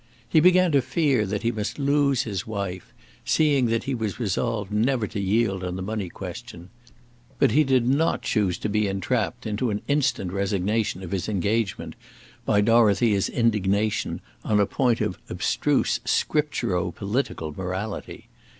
He began to fear that he must lose his wife, seeing that he was resolved never to yield on the money question; but he did not choose to be entrapped into an instant resignation of his engagement by Dorothea's indignation on a point of abstruse Scripturo political morality.